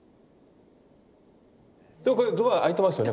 これドア開いてますよね。